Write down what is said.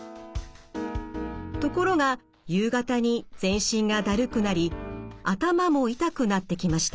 ところが夕方に全身がだるくなり頭も痛くなってきました。